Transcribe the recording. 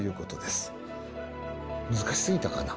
難しすぎたかな？